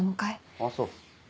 あっそう。